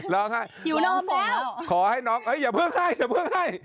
ร้องไห้หิวรอแล้วขอให้น้องเอ้ยอย่าเพิ่งให้อย่าเพิ่งให้